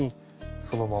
そのまま。